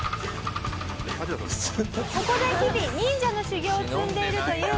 「ここで日々忍者の修行を積んでいるというハチダさん」